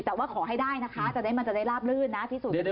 แต่ว่าขอให้ได้นะคะเดี๋ยวมันจะได้ราบลื่นนะพิสูจน์เป็นไง